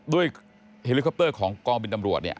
เฮลิคอปเตอร์ของกองบินตำรวจเนี่ย